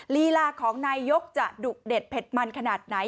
ลีลาของนายยกจะดุเด็ดเผ็ดมันขนาดไหน